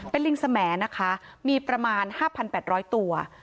เป็นลิงสมนะคะมีประมาณ๕๘๐๐ตัว